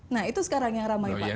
nah itu sekarang yang ramai pak